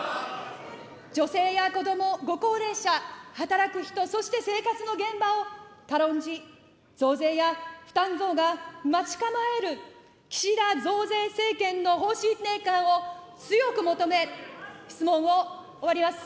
女性や子ども、ご高齢者、働く人、そして生活の現場を軽んじ、増税や負担増が待ち構える岸田増税政権の方針転換を強く求め、質問を終わります。